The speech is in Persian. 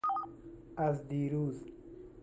از دیروز